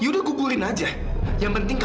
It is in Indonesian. namun pertama kalian harus membay canon di dokter